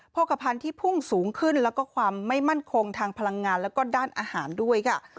กภัณฑ์ที่พุ่งสูงขึ้นแล้วก็ความไม่มั่นคงทางพลังงานแล้วก็ด้านอาหารด้วยค่ะ